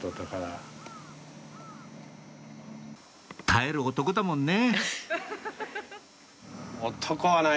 耐える男だもんね！